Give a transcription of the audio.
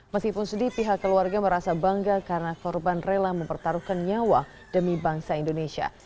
meskipun sedih pihak keluarga merasa bangga karena korban rela mempertaruhkan nyawa demi bangsa indonesia